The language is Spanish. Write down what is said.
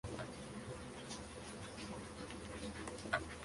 Meyer nació en Alsacia y vivió en París.